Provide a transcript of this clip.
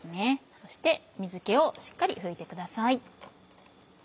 そして水気をしっかり拭いてください。